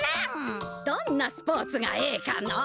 どんなスポーツがええかのう？